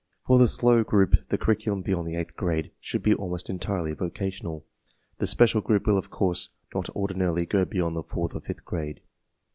For x the slow group the curriculum beyond the eighth grade V THE PROBLEM 21 should be almost entirely vocational. The special group will of course not ordinarily go beyond the fourth or fifth grade.